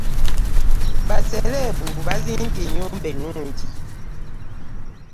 Bassereebu bazimbye ennyumba enungi.